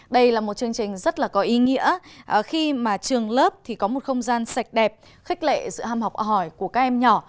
đây là một chương trình rất là có ý nghĩa khi mà trường lớp thì có một không gian sạch đẹp khích lệ giữa ham học hỏi của các em nhỏ